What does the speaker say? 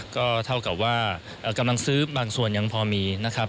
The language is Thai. ก็เท่ากับว่ากำลังซื้อบางส่วนยังพอมีนะครับ